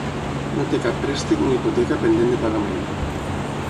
No té cap préstec ni hipoteca pendent de pagament.